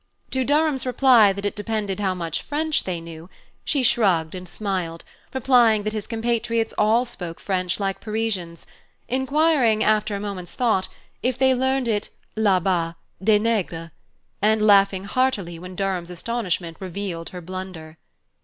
To Durham's reply that it depended how much French they knew, she shrugged and smiled, replying that his compatriots all spoke French like Parisians, enquiring, after a moment's thought, if they learned it, la bas, des negres, and laughing heartily when Durham's astonishment revealed her blunder.